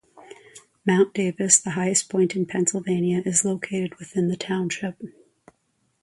Mount Davis, the highest point in Pennsylvania, is located within the township.